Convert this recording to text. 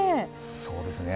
そうですね。